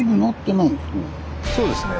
そうですね。